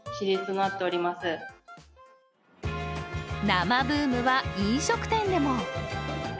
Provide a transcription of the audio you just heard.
生ブームは飲食店でも。